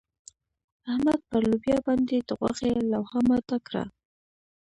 احمد پر لوبيا باندې د غوښې لوهه ماته کړه.